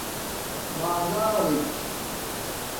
بازارڎ